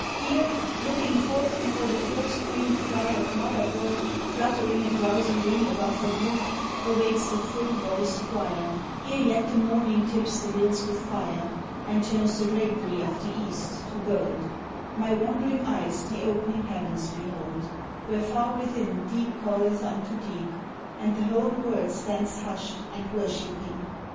Here, looking forth before the first faint cry Of mother bird, fluttering a drowsy wing Above her brood, awakes the full voiced choir, Ere yet the morning tips the hills with fire, And turns the drapery of the east to gold, My wondering eyes the opening heavens behold, Where far within deep calleth unto deep, And the whole world stands hushed and worshipping.